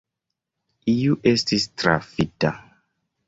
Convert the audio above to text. Iu estis trafita.